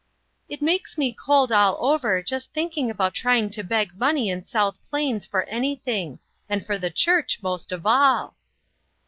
"It makes me cold all over, just thinking about trying to beg money in South Plains for anything; and for the church most of all!"